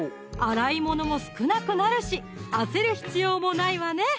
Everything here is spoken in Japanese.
洗い物も少なくなるし焦る必要もないわね！